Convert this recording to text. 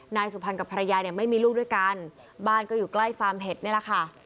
นายสุพรรณกับภรรยาเนี่ยไม่มีลูกด้วยกันบ้านก็อยู่ใกล้ฟาร์มเห็ดนี่แหละค่ะ